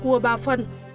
cua ba phân